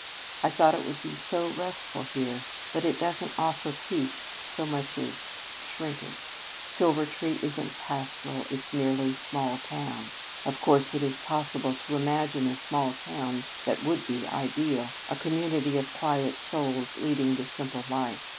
"I thought it would be so restful here, but it doesn't offer peace so much as shrinkage. Silvertree isn't pastoral it's merely small town. Of course it is possible to imagine a small town that would be ideal a community of quiet souls leading the simple life.